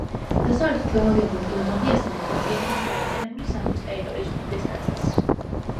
დასავლეთით განლაგებულ ირლანდიასთან ერთად, იგი ქმნის გაერთიანებული სამეფოს ტერიტორიის უდიდეს ნაწილს.